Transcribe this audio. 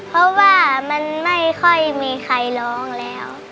เพราะว่ามันไม่ค่อยมีใครร้องแล้ว